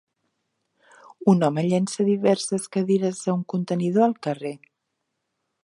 Un home llença diverses cadires a un contenidor al carrer.